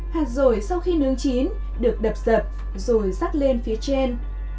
hạt dồi sau khi nướng chín được đập dập rồi rắc lên phía trên